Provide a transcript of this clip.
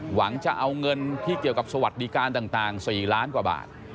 หวังจะเอาเงินที่เกี่ยวกับสวัสดิการต่าง๔ล้านกว่าบาท